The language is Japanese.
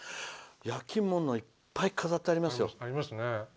焼き物もいっぱい飾ってあります。